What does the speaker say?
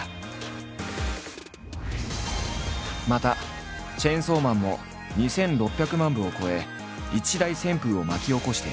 また「チェンソーマン」も２，６００万部を超え一大旋風を巻き起こしている。